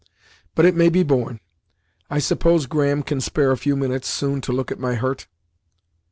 "But it may be borne. I suppose Graham can spare a few minutes, soon, to look at my hurt."